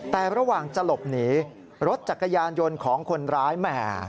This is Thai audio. แต่ระหว่างจะหลบหนีรถจักรยานยนต์ของคนร้ายแหม